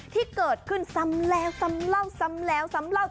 ที่เกิดขึ้นซ้ำแล้วซ้ำเล่าซ้ำแล้วซ้ำเล่า